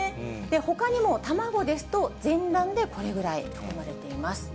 ほかにも卵ですと、全卵でこれぐらい含まれています。